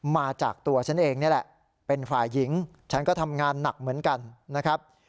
มาจากตัวฉันเองนี่แหละเป็นฝ่ายหญิงฉันก็ทำงานหนักเหมือนกันนะครับ